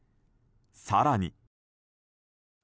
更に。